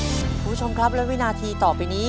คุณผู้ชมครับและวินาทีต่อไปนี้